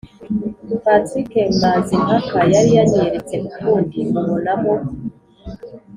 Patrick Mazimpaka yari yanyiyeretse ukundi, mubonamo